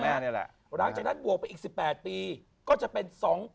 หลังจากนั้นบวกไปอีก๑๘ปีก็จะเป็น๒๕๑๖